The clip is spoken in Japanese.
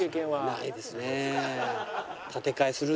ないですね。